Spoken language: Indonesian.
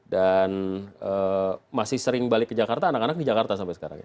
dan masih sering balik ke jakarta anak anak di jakarta sampai sekarang ya